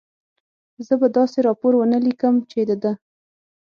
زه به داسې راپور و نه لیکم، چې د ده.